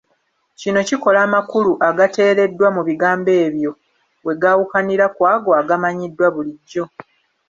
Kino kikola amakulu agateereddwa mu bigambo ebyo we gaawukanira ku ago agamanyiddwa bulijjo.